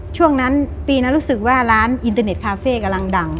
ช่วงนั้นปีนั้นรู้สึกว่าร้านอินเตอร์เน็ตคาเฟ่กำลังดัง